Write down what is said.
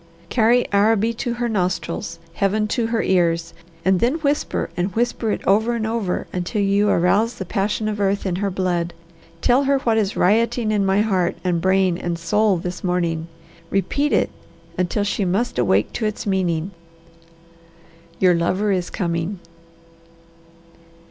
Carry Araby to her nostrils, Heaven to her ears, and then whisper and whisper it over and over until you arouse the passion of earth in her blood. Tell her what is rioting in my heart, and brain, and soul this morning. Repeat it until she must awake to its meaning, 'Your lover is coming.'"